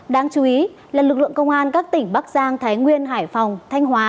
đáng chú ý là lực lượng công an các tỉnh bắc giang thái nguyên hải phòng thanh hóa